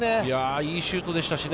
いいシュートでしたしね。